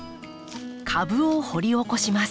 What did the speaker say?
株を掘り起こします。